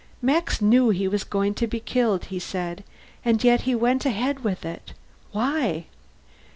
"Max knew he was going to be killed," he said. "And yet he went ahead with it. Why?"